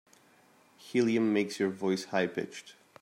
Helium makes your voice high pitched.